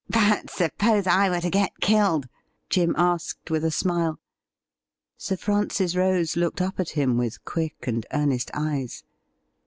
' Rut suppose I were to get killed ?' Jim asked, with a smile. Sir Francis Rose looked up at him with quick and earnest eyes.